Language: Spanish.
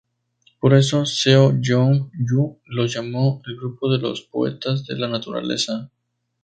Por eso Seo Jeong-ju los llamó "el grupo de los poetas de la naturaleza"